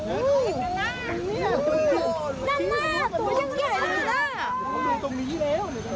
อุ้วววนั่นหน้าตัวยังใหญ่เลยน่ะ